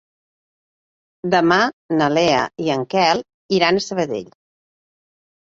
Demà na Lea i en Quel iran a Sabadell.